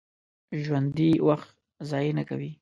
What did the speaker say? ژوندي وخت ضایع نه کوي